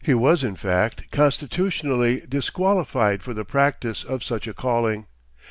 He was, in fact, constitutionally disqualified for the practice of such a calling.